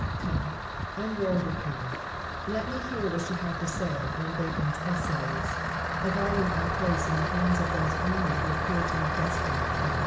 Come, unroll your paper ; let me hear what you have to say on Bacon's Essays, — a volume I place in the hand of those only who appear to me destined to be great.